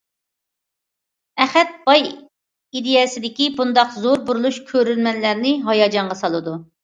ئەخەت باي ئىدىيەسىدىكى بۇنداق زور بۇرۇلۇش كۆرۈرمەنلەرنى ھاياجانغا سالىدۇ.